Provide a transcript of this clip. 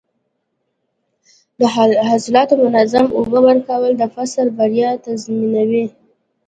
د حاصلاتو منظم اوبه ورکول د فصل بریا تضمینوي.